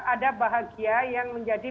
ada bahagia yang menjadi